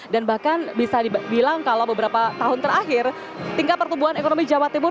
dan bahkan bisa dibilang kalau beberapa tahun terakhir tingkat pertumbuhan ekonomi jawa timur